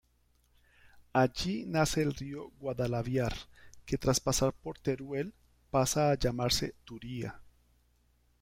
Allí nace el río Guadalaviar, que tras pasar por Teruel pasa a llamarse Turia.